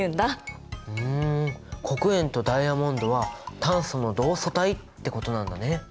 ふん黒鉛とダイヤモンドは炭素の同素体ってことなんだね。